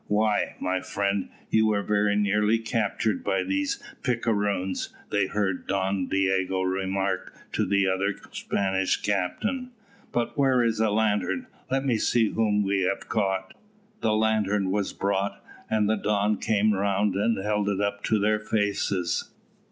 "Why, my friend, you were very nearly captured by these picaroons," they heard Don Diogo remark to the other Spanish captain. "But where is a lantern? let me see whom we have caught." The lantern was brought, and the Don came round and held it up to their faces.